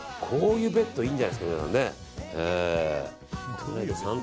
こういうベッドいいんじゃないですか。